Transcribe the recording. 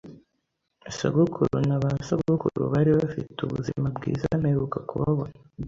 Sogokuru na basogokuru bari bafite ubuzima bwiza mperuka kubabona.